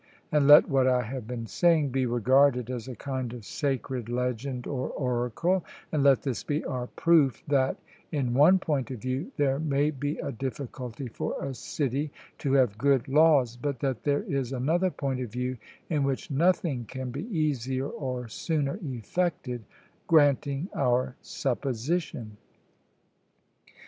And let what I have been saying be regarded as a kind of sacred legend or oracle, and let this be our proof that, in one point of view, there may be a difficulty for a city to have good laws, but that there is another point of view in which nothing can be easier or sooner effected, granting our supposition.